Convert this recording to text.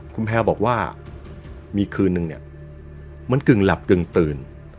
คุณแพลวบอกว่ามีคืนนึงเนี่ยมันกึ่งหลับกึ่งตื่น